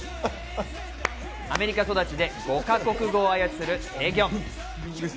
アメリカ育ちで５か国語を操るテギョン。